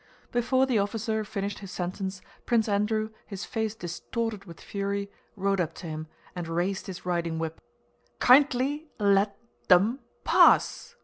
Before the officer finished his sentence Prince Andrew, his face distorted with fury, rode up to him and raised his riding whip. "Kind...ly let—them—pass!"